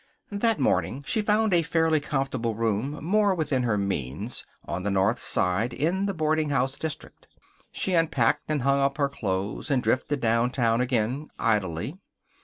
That morning she found a fairly comfortable room, more within her means, on the North Side in the boardinghouse district. She unpacked and hung up her clothes and drifted downtown again, idly.